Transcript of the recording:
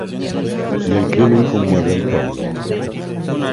Y el crimen conmueve al pueblo.